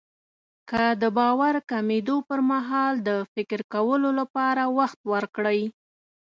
که د باور کمېدو پرمهال د فکر کولو لپاره وخت ورکړئ.